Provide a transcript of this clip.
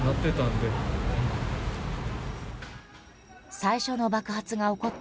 最初の爆発が起こった